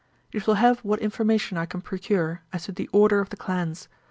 'You shall have what information I can procure as to the order of the Clans.